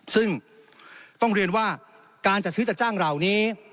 ซึ่งต้องเรียนว่าการจัดซื้อจัดจ้างเหล่านี้